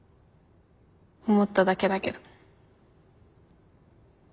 思っただけだけど。